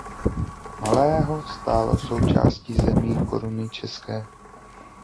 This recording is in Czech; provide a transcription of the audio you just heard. Malého stalo součástí Zemí Koruny české.